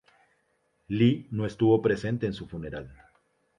Lee no estuvo presente en su funeral.